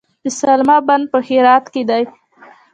د سلما بند په هرات کې دی